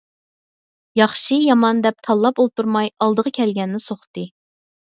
ياخشى - يامان دەپ تاللاپ ئولتۇرماي ئالدىغا كەلگەننى سوقتى.